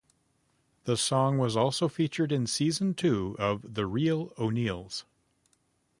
The song was also featured in season two of The Real O'Neals.